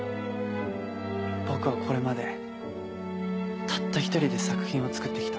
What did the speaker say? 僕はこれまでたった一人で作品を作ってきた。